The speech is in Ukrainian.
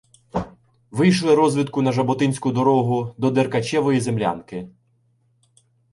Вишли розвідку на жаботинську дорогу до Деркачевої землянки.